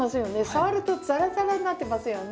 触るとザラザラになってますよね。